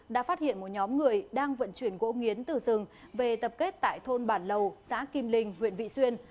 đã phát hiện một nhóm người đang vận chuyển gỗ nghiến từ rừng về tập kết tại thôn bản lầu xã kim linh huyện vị xuyên